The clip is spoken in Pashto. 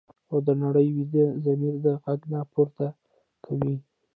خو د نړۍ ویده ضمیر دا غږ نه پورته کوي.